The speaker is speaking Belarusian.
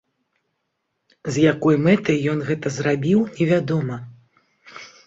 З якой мэтай ён гэта зрабіў, невядома.